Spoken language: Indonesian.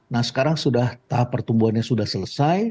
nah sekarang sudah tahap pertumbuhannya sudah selesai